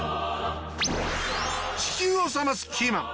地球を冷ますキーマン